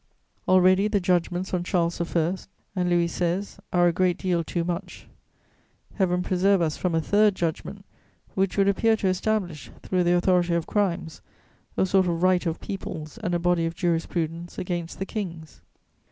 Already the judgments on Charles I. and Louis XVI. are a great deal too much: Heaven preserve us from a third judgment which would appear to establish, through the authority of crimes, a sort of right of peoples and a body of jurisprudence against the kings!